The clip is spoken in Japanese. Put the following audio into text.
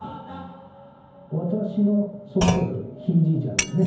私の曽祖父、ひいじいちゃんですね。